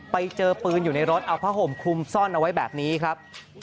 ไปเจอปืนอยู่ในรถเอาผ้าห่มคลุมซ่อนเอาไว้แบบนี้ครับ